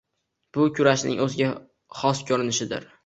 Bu kurashning o’ziga khos ko’rinishidir.